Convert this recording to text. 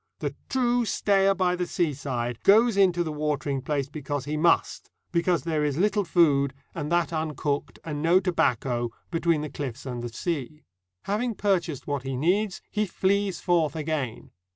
The true stayer by the seaside goes into the watering place because he must; because there is little food, and that uncooked, and no tobacco, between the cliffs and the sea. Having purchased what he needs he flees forth again.